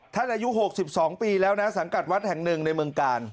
อายุ๖๒ปีแล้วนะสังกัดวัดแห่งหนึ่งในเมืองกาล